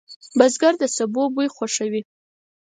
بزګر د سبو بوی خوښوي